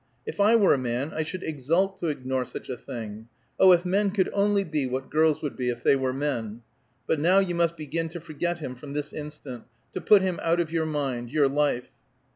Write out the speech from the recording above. If I were a man I should exult to ignore such a thing. Oh, if men could only be what girls would be if they were men! But now you must begin to forget him from this instant to put him out of your mind your life."